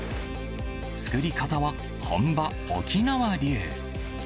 作り方は、本場沖縄流。